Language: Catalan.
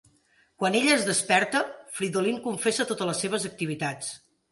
Quan ella es desperta, Fridolin confessa totes les seves activitats.